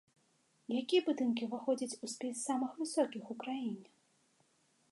Якія будынкі ўваходзяць у спіс самых высокіх у краіне?